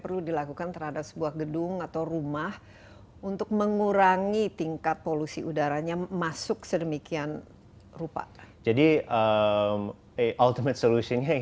terima untuk mengurangi tingkat polusi udaranya masuk sedemikian rupa jadi ultimate solutionnya